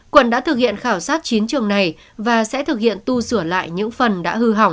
quận đã thực hiện khảo sát chín trường này và sẽ thực hiện tu sửa lại những phần đã hư hỏng